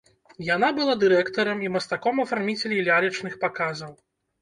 Яна была дырэктарам і мастаком-афарміцелем лялечных паказаў.